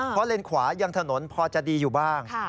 เพราะเลนขวายังถนนพอจะดีอยู่บ้าง